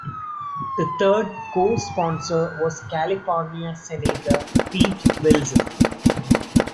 The third co-sponsor was California Senator Pete Wilson.